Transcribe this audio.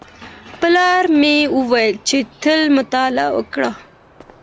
پلار مې وویل چي تل مطالعه وکړه.